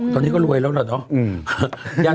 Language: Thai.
ตอนนี้ก็รวยแล้วล่ะเนาะ